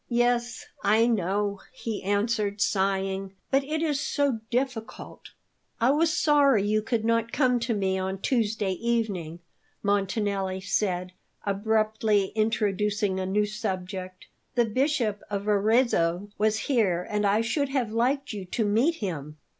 "Yes, I know," he answered, sighing; "but it is so difficult " "I was sorry you could not come to me on Tuesday evening," Montanelli said, abruptly introducing a new subject. "The Bishop of Arezzo was here, and I should have liked you to meet him."